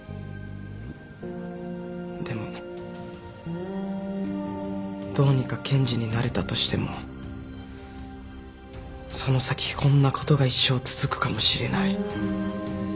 でもどうにか検事になれたとしてもその先こんなことが一生続くかもしれない。